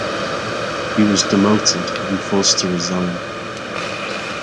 He was demoted and forced to resign.